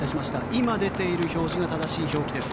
今、出ている表示が正しい表記です。